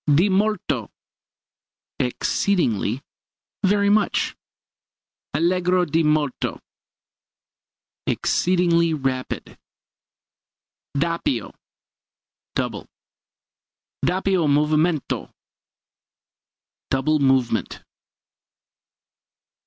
Di molto exceedingly very much. Allegro di molto exceedingly rapid. Doppio double. Doppio movimento double movement.